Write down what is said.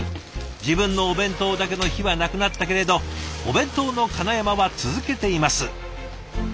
自分のお弁当だけの日はなくなったけれどお弁当のかなやまは続けています。